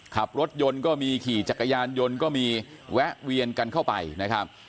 ขับรถยนต์ก็มีขี่จักรยานยนต์ก็มีแวะเวียนกันเข้าไปนะครับ